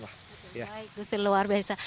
baik gusti luar biasa